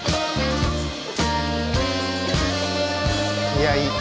いやいい。